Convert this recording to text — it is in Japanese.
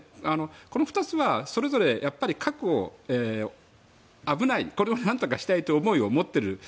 この２つはそれぞれ核を危ないこれを何とかしたいという思いを持っている。